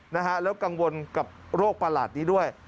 นะฮะแล้วกังวลกับโรคประหลาดนี้ด้วย